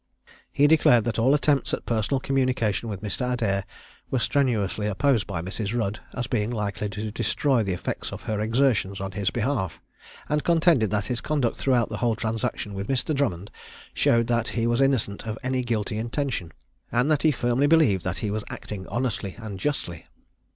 He declared that all attempts at personal communication with Mr. Adair were strenuously opposed by Mrs. Rudd as being likely to destroy the effects of her exertions on his behalf, and contended that his conduct throughout the whole transaction with Mr. Drummond, showed that he was innocent of any guilty intention, and that he firmly believed that he was acting honestly and justly.